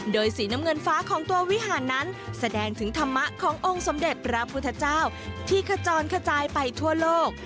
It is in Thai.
โดยสีน้ำเงินฟ้าของตัววิหารนั้นแสดงถึงธรรมะขององค์สมเด็จพระพุทธเจ้าที่ขจรขจายไปทั่วโลก